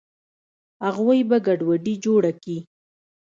اغوئ به ګډوډي جوړه کي.